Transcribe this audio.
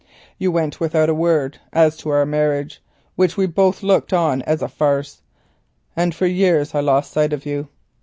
You went without a word as to our marriage, which we both looked on a farce, and for years I lost sight of you.